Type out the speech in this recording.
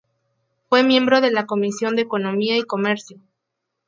Fue miembro de la comisión de Economía y Comercio.